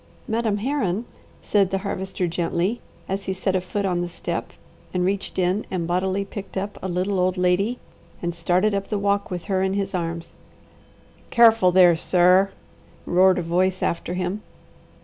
"'Madam Herron,'" said the Harvester gently, as he set a foot on the step, reached in and bodily picked up a little old lady and started up the walk with her in his arms. "Careful there, sir!" roared a voice after him.